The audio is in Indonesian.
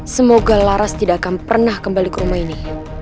semoga laras tidak akan pernah kembali ke rumah ini